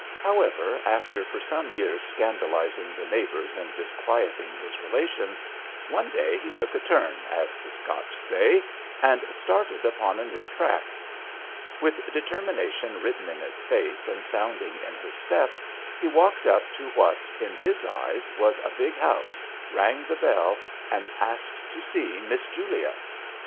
However, after for some years scandalising the neighbours and disquieting his relations, one day he took a turn, as the Scotch say, and started upon a new track. With deter mination written in his hce and sounding in his step, he walked up to what, in his eyes, was a big house, rang the bell, and asked to see " Miss Julia."